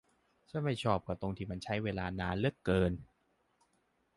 ฉันไม่ชอบก็ตรงที่มันใช้เวลานานเหลือเกิน